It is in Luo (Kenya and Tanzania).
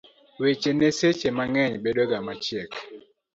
weche ne seche mang'eny bedo ga machiek